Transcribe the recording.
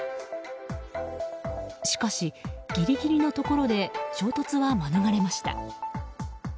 しかしギリギリのところで衝突は免れました。